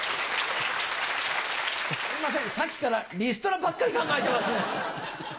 さっきからリストラばっかり考えてますね。